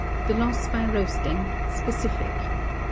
The Loss by Roasting (Specific).